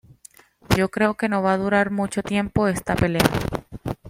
Yo creo que no va a durar mucho tiempo esta pelea.